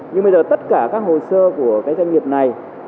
nhưng bây giờ tất cả các hồ sơ của cái doanh nghiệp này